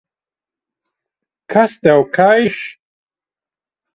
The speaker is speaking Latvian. Kas tev kaiš?